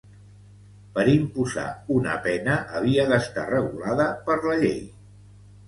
Per imposar una pena havia d'estar regulada per la llei.